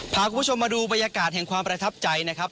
พาคุณผู้ชมมาดูบรรยากาศแห่งความประทับใจนะครับ